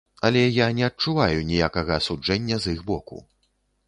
Але я не адчуваю ніякага асуджэння з іх боку.